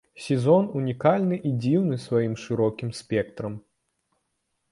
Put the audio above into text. Сезон унікальны і дзіўны сваім шырокім спектрам.